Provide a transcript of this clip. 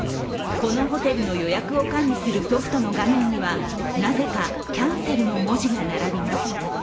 このホテルの予約を管理するソフトの画面にはなぜかキャンセルの文字が並びます。